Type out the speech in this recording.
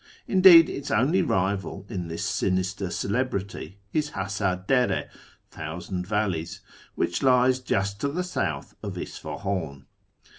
Indeed its only rival in this sinister celebrity is the Hazdr dSrS (" Thousand valleys "), which lies just to the south of Isfahan.